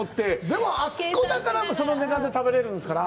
でも、あそこだから、その値段で食べられるんですから。